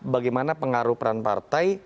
bagaimana pengaruh peran partai